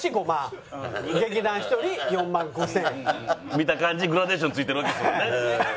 見た感じグラデーションついてるわけですもんね。